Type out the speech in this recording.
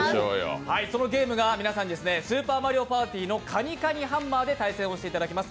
そのゲームが「スーパーマリオパーティ」の「カニカニハンマー」で対戦していただきます。